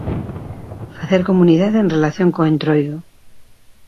Facer comunidade en relación co Entroido.